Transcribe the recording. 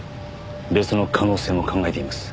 別の可能性も考えています。